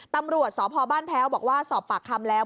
ตำรวจสพบ้านแพ้วบอกว่าสอบปากคำแล้ว